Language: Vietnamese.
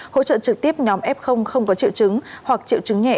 hỗ trợ trực tiếp nhóm f không có triệu chứng hoặc triệu chứng nhẹ